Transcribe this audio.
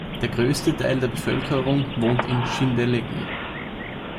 Der grösste Teil der Bevölkerung wohnt in Schindellegi.